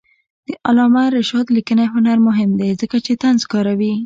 د علامه رشاد لیکنی هنر مهم دی ځکه چې طنز کاروي.